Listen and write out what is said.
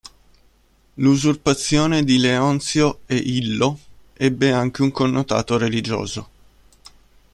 L'usurpazione di Leonzio e Illo ebbe anche un connotato religioso.